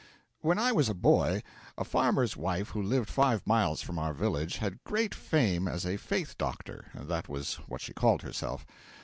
When I was a boy, a farmer's wife who lived five miles from our village, had great fame as a faith doctor that was what she called herself.